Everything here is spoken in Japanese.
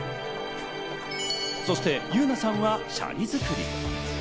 そしてユウナさんはシャリ作り。